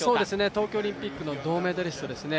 東京オリンピックの銅メダリストですね。